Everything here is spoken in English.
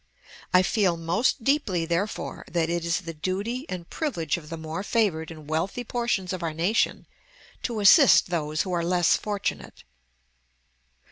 I feel most deeply, therefore, that it is the duty and privilege of the more favored and wealthy portions of our nation to assist those who are less fortunate."